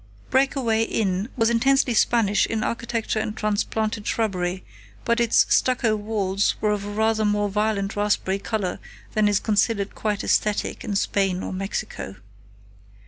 Breakaway Inn was intensely Spanish in architecture and transplanted shrubbery, but its stucco walls were of a rather more violent raspberry color than is considered quite esthetic in Spain or Mexico.